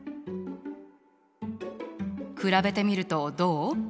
比べてみるとどう？